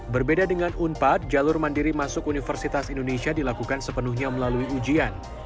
berbeda dengan unpad jalur mandiri masuk universitas indonesia dilakukan sepenuhnya melalui ujian